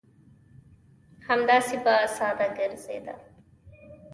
همداسې به ساده ګرځېده.